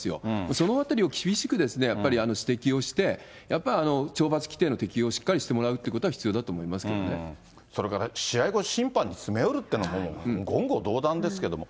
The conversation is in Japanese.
そのあたりを厳しくですね、やっぱり指摘をして、やっぱり懲罰規定の適用をしっかりしてもらうってことは、必要だそれから試合後、審判に詰め寄るってのも、言語道断ですけれども。